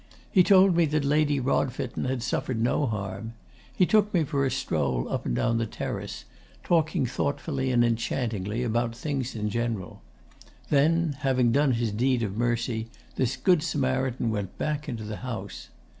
He told me that Lady Rodfitten had suffered no harm. He took me for a stroll up and down the terrace, talking thoughtfully and enchantingly about things in general. Then, having done his deed of mercy, this Good Samaritan went back into the house.